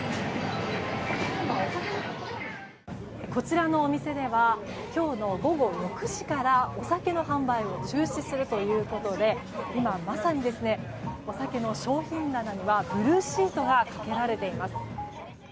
こちらのお店では今日の午後６時からお酒の販売を中止するということで今、まさにお酒の商品棚にはブルーシートがかけられています。